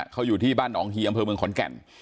เขาอยู่ที่บ้านหนองฮียอำเภอเมืองขอนแก่น